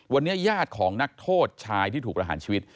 วันนี้ญาติของนักโทษชายที่ถูกประหารชีวิต